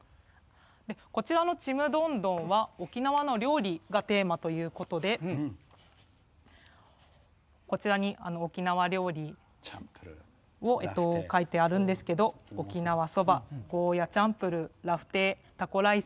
こちらの「ちむどんどん」は沖縄の料理がテーマということでこちらに沖縄料理を描いてあるんですけど沖縄そば、ゴーヤチャンプルーラフテー、タコライス。